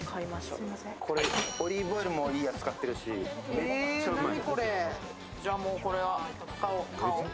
これ、オリーブオイルもいいやつ使ってるし、めっちゃうまい。